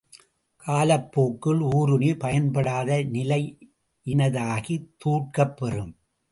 காலப் போக்கில் ஊருணி பயன்படாத நிலையினதாகித் தூர்க்கப் பெறும்.